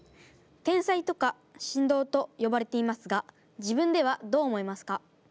天才とか神童とよばれていますが自分ではどう思いますか？